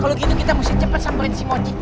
kalau gitu kita mesti cepet sampein si mochi